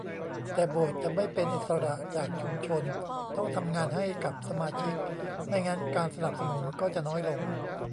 แต่โบสถ์จะไม่เป็นอิสระจากชุมชน ต้องทำงานให้กับสมาชิก ไม่งั้นการสนับสนุนก็จะน้อยลง